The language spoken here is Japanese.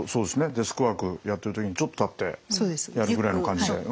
デスクワークやってる時にちょっと立ってやるぐらいの感じで。